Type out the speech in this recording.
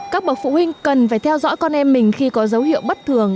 các bậc phụ huynh cần phải theo dõi con em mình khi có dấu hiệu bất thường